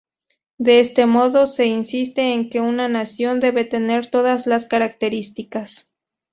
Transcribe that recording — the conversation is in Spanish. De este modo, se insiste en que una nación debe tener todas las características.